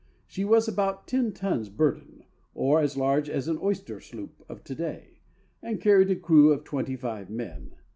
She was of about ten tons burden, or as large as an oyster sloop of to day, and carried a crew of twenty five men.